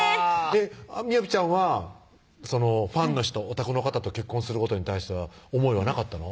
みおぴちゃんはファンの人オタクの方と結婚することに対しては思いはなかったの？